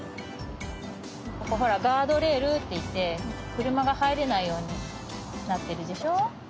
ここほらガードレールっていってくるまがはいれないようになってるでしょ。